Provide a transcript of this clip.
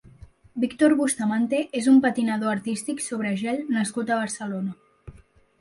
Victor Bustamante és un patinador artístic sobre gel nascut a Barcelona.